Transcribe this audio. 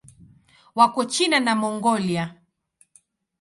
Wako China na Mongolia.